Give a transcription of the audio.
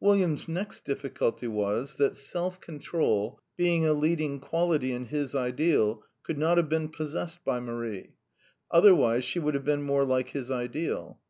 'William's next difficulty was, that self control, being a leading quality in his ideal, could not have been possessed by Marie: otherwise she would have been more like his ideal.